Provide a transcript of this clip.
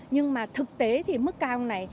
nhưng mà thực tế thì mức cao này